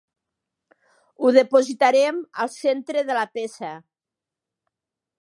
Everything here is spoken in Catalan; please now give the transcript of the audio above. Ho depositarem al centre de la peça.